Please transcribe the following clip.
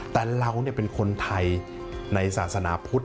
แต่เราเป็นคนไทยในศาสนาพุทธ